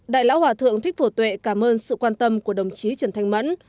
đại lão hòa thượng thích phổ tuệ cảm ơn sự quan tâm của đồng chí trần thanh mẫn